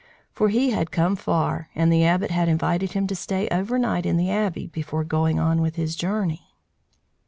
For he had come far, and the Abbot had invited him to stay overnight in the Abbey before going on with his journey.